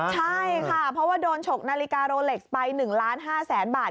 ใช่ค่ะเพราะว่าโดนฉกนาฬิกาโลเร็กซ์ไป๑๕๐๐๐๐๐บาท